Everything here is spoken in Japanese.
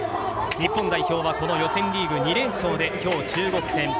日本代表は予選リーグ２連勝で今日、中国戦。